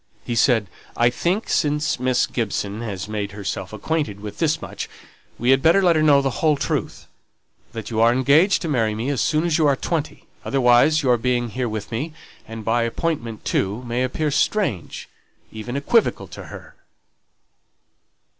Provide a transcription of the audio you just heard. He said "I think since Miss Gibson has made herself acquainted with this much, we had better let her know the whole truth that you are engaged to marry me as soon as you are twenty; otherwise your being here with me, and by appointment too, may appear strange even equivocal to her."